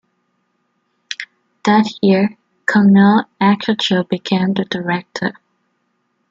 That year, Camille Akeju became the director.